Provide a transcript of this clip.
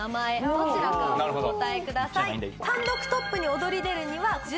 どちらかお答えください。